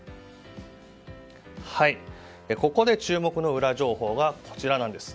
ここで注目のウラ情報はこちらです。